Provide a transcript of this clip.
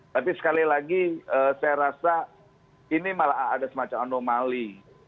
tapi sekali lagi saya rasa ini malah ada semacam anomali